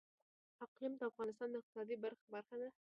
اقلیم د افغانستان د اقتصاد برخه ده.